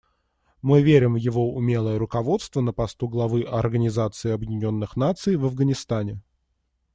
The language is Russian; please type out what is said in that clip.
Мы верим в его умелое руководство на посту главы Организации Объединенных Наций в Афганистане.